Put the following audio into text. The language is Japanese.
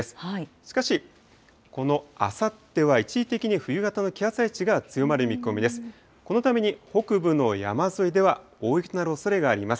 しかし、このあさっては、一時的に冬型の気圧配置が強まる見込みです。